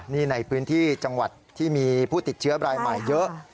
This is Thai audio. นี่ในพื้นที่จังหวัดที่มีผู้ติดเชื้อรายใหม่เยอะ